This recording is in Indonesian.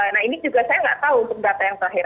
nah ini juga saya nggak tahu untuk data yang terakhir